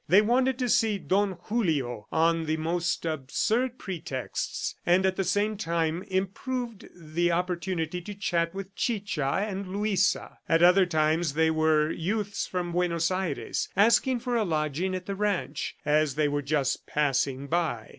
They wanted to see Don Julio on the most absurd pretexts, and at the same time improved the opportunity to chat with Chicha and Luisa. At other times they were youths from Buenos Aires asking for a lodging at the ranch, as they were just passing by.